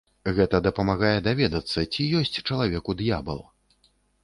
Гэта дапамагае даведацца, ці ёсць чалавеку д'ябал.